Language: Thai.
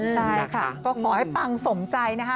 ใช่ค่ะก็ขอให้ปังสมใจนะคะ